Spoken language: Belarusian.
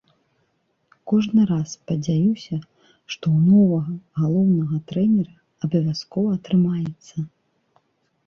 Кожны раз спадзяюся, што ў новага галоўнага трэнера абавязкова атрымаецца.